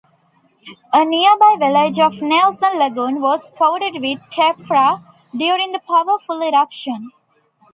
The nearby village of Nelson Lagoon was coated with tephra during the powerful eruption.